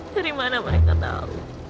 dari mana mereka tahu